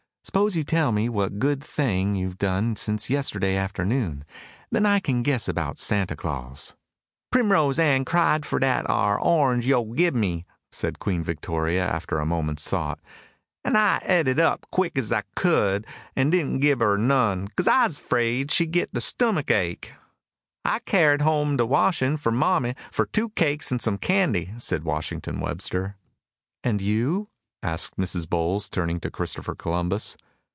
"Suppose you tell me what good thing you have done since yesterday afternoon. Then I can guess about Santa Claus." "Primrose Ann cried fur dat ar orange yo' gib me," said Queen Victoria, after a moment's thought, "an' I eat it up quick 's I could, an' didn't gib her none, 'cause I's 'fraid she git de stummick ache." "I car'd home de washin' fur mommy fur two cakes an' some candy," said Washington Webster. "And you?" asked Mrs. Bowles, turning to Christopher Columbus.